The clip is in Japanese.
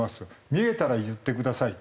見えたら言ってくださいって。